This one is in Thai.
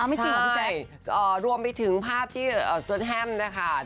ไม่จริงเหรอพี่แจ๊ครวมไปถึงภาพที่สวดแฮมนะคะ